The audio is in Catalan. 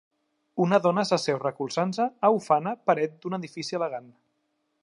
Una dona s'asseu recolzant-se a ufana paret d'un edifici elegant.